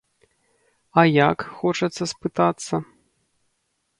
А як, хочацца спытацца?